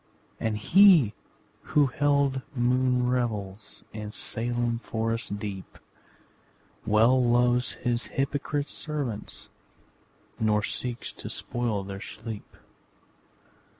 And he who held moon revels In Salem forest deep, Well loves his hypocrite servants Nor seeks to spoil their sleep.